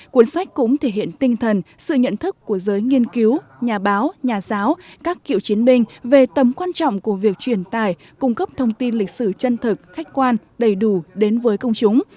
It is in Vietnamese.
cuốn sách cũng thể hiện tinh thần sự nhận thức của giới nghiên cứu nhà báo nhà giáo các kiệu chiến binh về tầm quan trọng của việc truyền tải cung cấp thông tin lịch sử chân thực khách quan đầy đủ đến với công chúng